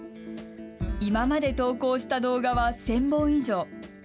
今まで投稿した動画は１０００本以上。